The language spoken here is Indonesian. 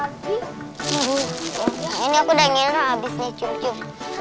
aduh ini aku udah ngerang abis nih cum